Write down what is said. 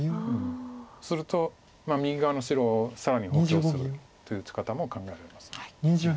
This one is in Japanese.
すると右側の白を更に補強するという打ち方も考えられます。